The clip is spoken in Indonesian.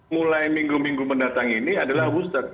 mulai minggu minggu mendatang ini adalah booster